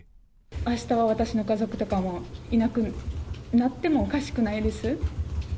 あしたは私の家族とかもいなくなってもおかしくないです。